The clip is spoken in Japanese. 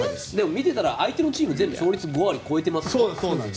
見てたら相手のチーム勝率５割を超えていますよね。